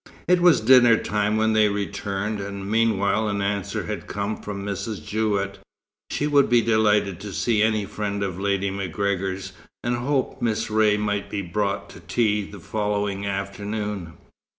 It was dinner time when they returned, and meanwhile an answer had come from Mrs. Jewett. She would be delighted to see any friend of Lady MacGregor's, and hoped Miss Ray might be brought to tea the following afternoon.